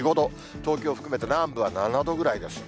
東京含めて南部は７度ぐらいです。